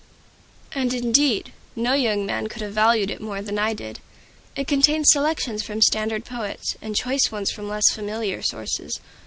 And, indeed, no young man could have valued it more than I did. It contained selections from standard poets, and choice ones from less familiar sources.